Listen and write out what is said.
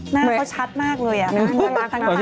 หน้าเขาชัดมากเลยอะ